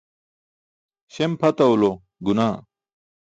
Śem pʰatawulo gunaah.